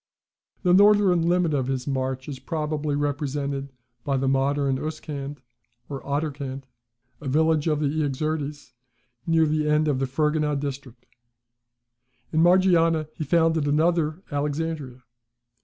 The northern limit of his march is probably represented by the modern Uskand, or Aderkand, a village on the Iaxartes, near the end of the Ferganah district. In Margiana he founded another Alexandria.